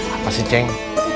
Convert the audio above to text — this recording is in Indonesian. apa sih ceng